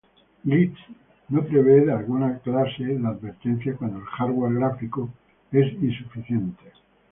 Glitz no provee de alguna clase de advertencia cuando el hardware gráfico es insuficiente.